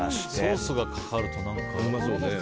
ソースがかかると。